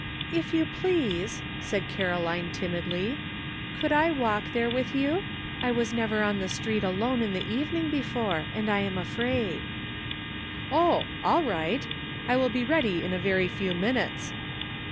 "If you please," said Caroline timidly, "could I walk there with you? I was never on the street alone in the evening before, and I am afraid." " Oh ! all right ; I will be ready in a very few minutes.